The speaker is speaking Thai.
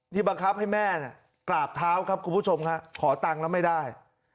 บังคับให้แม่กราบเท้าครับคุณผู้ชมฮะขอตังค์แล้วไม่ได้